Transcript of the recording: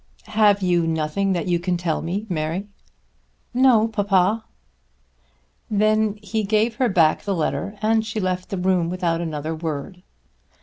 "Have you nothing that you can tell me, Mary?" "No, papa." Then he gave her back the letter and she left the room without another word.